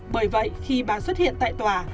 bởi vậy khi bà xuất hiện tại tòa